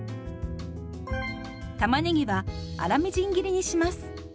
たまねぎは粗みじん切りにします。